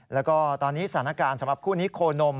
แล้วก็ตอนนี้สถานการณ์สำหรับคู่นี้โคนม